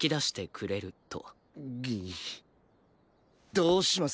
どうします？